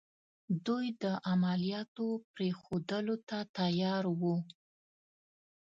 دوی د عملیاتو پرېښودلو ته تیار وو.